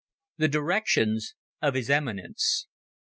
THE DIRECTIONS OF HIS EMINENCE.